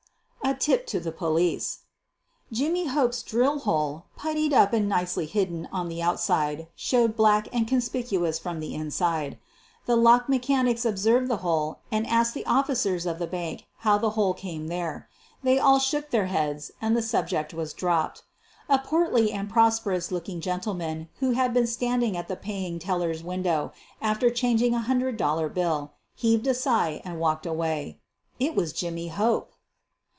A TIP TO THE POLICE Jimmy Hope's drill hole, puttied up and nicely hidden on the outside showed black and conspicuous from the inside. The lock mechanics observed the hole and asked the officers of the bank how the hole came there. They all shook their heads and the Subject was dropped. A portly and prosperous looking gentleman who had been standing at the paying teller's window after changing a one hun dred dollar bill, heaved a sigh and walked away. It was Jimmy Hope